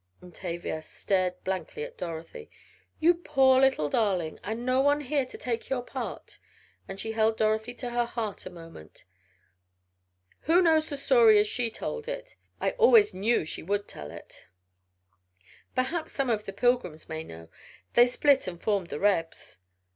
and Tavia stared blankly at Dorothy. "You poor little darling! And no one here to take your part!" and she held Dorothy to her heart a moment. "Who knows the story as she told it I always knew she would tell it!" "Perhaps some of the Pilgrims may know. They split and formed the Rebs."